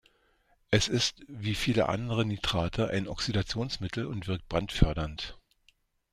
Es ist wie viele andere Nitrate ein Oxidationsmittel und wirkt brandfördernd.